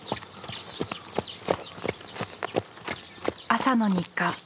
朝の日課。